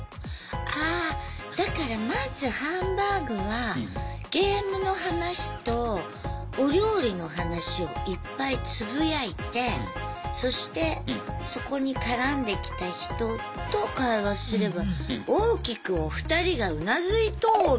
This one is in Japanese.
ああだからまずハンバーグはゲームの話とお料理の話をいっぱいつぶやいてそしてそこに絡んできた人と会話すれば大きくおふたりがうなずいとる。